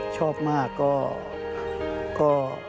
ชอบมากก็